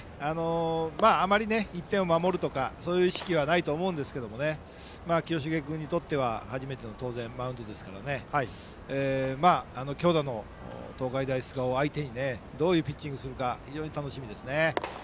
まあ、あまり１点を守るとかそういう意識はないと思うんですが清重君にとっては当然初めてのマウンドですから強打の東海大菅生を相手にどういうピッチングをするか非常に楽しみですね。